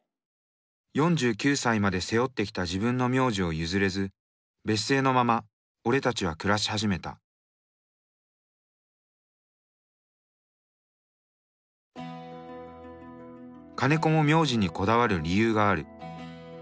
４９歳まで背負ってきた自分の名字を譲れず別姓のまま俺たちは暮らし始めた金子も名字にこだわる理由がある。